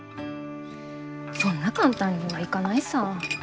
そんな簡単にはいかないさ。